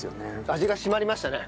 味が締まりましたね。